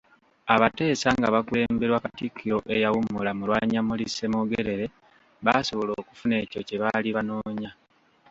Abateesa nga baakulemberwa Katikkiro eyawummula Mulwanyammuli Ssemwogere baasobola okufuna ekyo kye baali banoonya